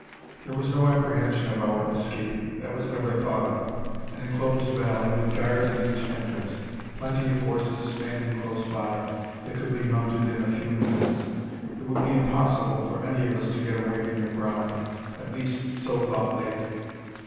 There was no apprehension of our escaping; that was never thought of: an inclosed valley, with guards at each entrance; plenty of horses standing close by, that could be mounted in a few minutes. It would be impossible for any of us to get away from the ground. At least, so thought they.